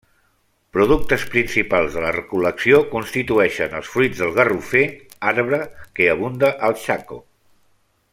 Productes principals de la recol·lecció constitueixen els fruits del garrofer, arbre que abunda al Chaco.